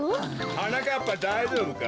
はなかっぱだいじょうぶか？